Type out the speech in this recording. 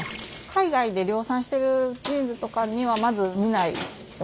海外で量産してるジーンズとかにはまず見ないものだと思います。